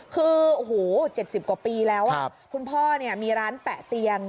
คือโอ้โห๗๐กว่าปีแล้วคุณพ่อมีร้านแปะเตียง